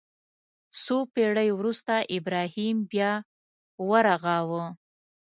څو پېړۍ وروسته ابراهیم بیا ورغاوه.